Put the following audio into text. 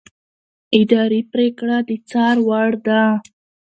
اداري پرېکړه د څار وړ ده.